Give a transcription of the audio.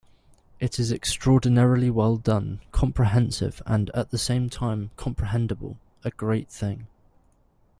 It is extraordinarily well done, comprehensive and at the same time comprehendible-a great thing.